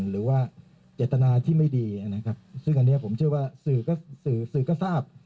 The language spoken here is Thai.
หรือว่าเจตนาที่ไม่ดีนะครับซึ่งอันนี้ผมเชื่อว่าสื่อสื่อก็ทราบ